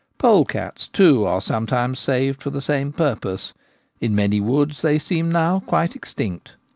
Polecats, too, are sometimes saved for the same purpose ; in many woods they seem now quite extinct.